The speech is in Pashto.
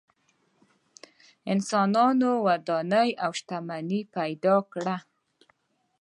انسانانو ودانۍ او شتمنۍ پیدا کړه.